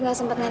tidak pak fadil